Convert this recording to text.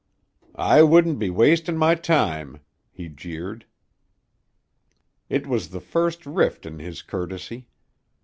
"I wouldn't be wastin' my time," he jeered. It was the first rift in his courtesy.